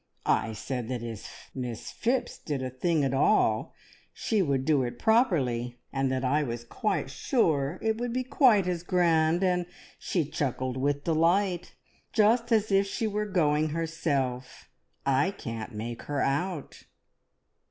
I said that if Miss Phipps did a thing at all, she would do it properly, and that I was quite sure it would be quite as `grand,' and she chuckled with delight, just as if she were going herself. I can't make her out."